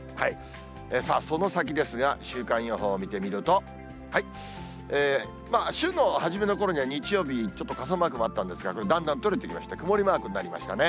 さあ、その先ですが、週間予報を見てみると、まあ、週の初めのころには、日曜日、ちょっと傘マークもあったんですが、これ、だんだん取れてきまして、曇りマークになりましたね。